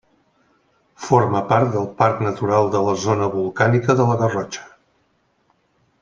Forma part del Parc Natural de la Zona Volcànica de la Garrotxa.